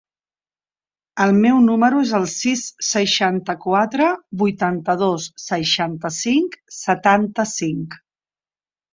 El meu número es el sis, seixanta-quatre, vuitanta-dos, seixanta-cinc, setanta-cinc.